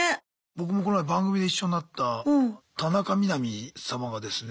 僕もこの前番組で一緒になった田中みな実様がですね。